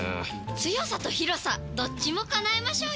強さと広さどっちも叶えましょうよ！